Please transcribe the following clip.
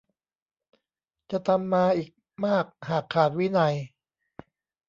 จะตามมาอีกมากหากขาดวินัย